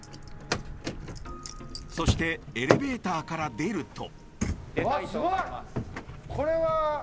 そしてエレベーターから出ると。